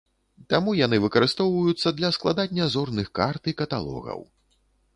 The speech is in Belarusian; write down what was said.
Таму яны выкарыстоўваюцца для складання зорных карт і каталогаў.